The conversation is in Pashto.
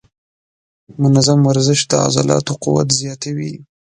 منظم ورزش د عضلاتو قوت زیاتوي.